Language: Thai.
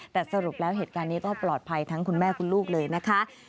แต่สรุปแล้วเหตุการณ์นี้ก็ปลอดภัยทั้งคุณแม่คุณลูกเลยนะคะ